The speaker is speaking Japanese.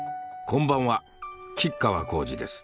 こんばんは吉川晃司です。